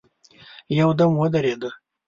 يودم ودرېده.